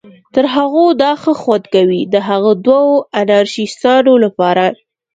تر هغو دا ښه خوند کوي، د هغه دوو انارشیستانو لپاره.